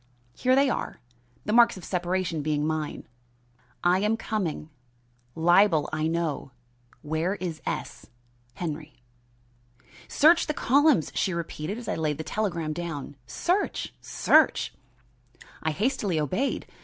Here they are the marks of separation being mine: I am coming libel I know where is S. Henry. "Search the columns," she repeated, as I laid the telegram down. "Search! Search!" I hastily obeyed.